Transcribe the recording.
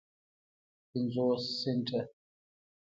پینځوس سنټه